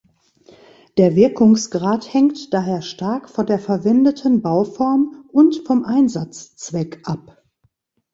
Der Wirkungsgrad hängt daher stark von der verwendeten Bauform und vom Einsatzzweck ab.